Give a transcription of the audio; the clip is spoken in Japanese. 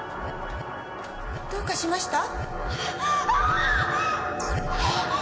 どうかしました？